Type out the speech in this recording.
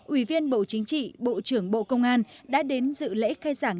ủy viên bộ chính trị bộ trưởng bộ công an đã đến dự lễ khai giảng